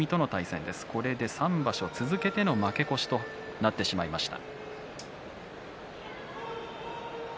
３場所続けての負け越しとなってしまいました。